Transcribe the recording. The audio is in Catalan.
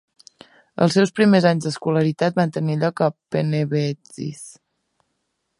Els seus primers anys d'escolaritat van tenir lloc a Panevėžys.